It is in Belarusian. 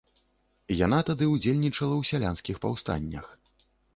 Яна тады ўдзельнічала ў сялянскіх паўстаннях.